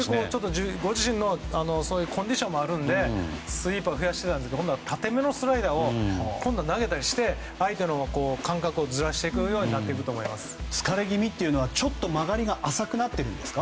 自身のコンディションもあるのでスイーパーを増やして今度は縦めのスライダーを今度は投げたりして相手の感覚をずらしていくことに疲れ気味ということは曲がりが浅くなっているんですか？